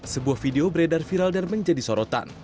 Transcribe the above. sebuah video beredar viral dan menjadi sorotan